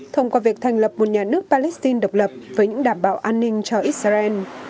thông qua việc thành lập một nhà nước palestine độc lập với những đảm bảo an ninh cho israel